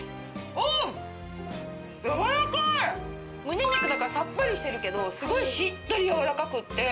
胸肉だからさっぱりしてるけどすごいしっとり軟らかくって。